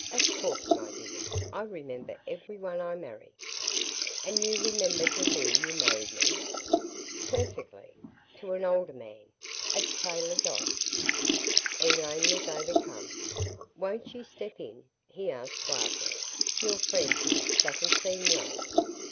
"Of course, my dear. I remember everyone I marry." "And you remember to whom you married me?" "Perfectly. To an older man a Taylor Dodge." Elaine was overcome. "Won't you step in?" he asked suavely. "Your friend here doesn't seem well."